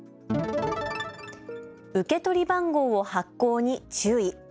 受け取り番号を発行に注意。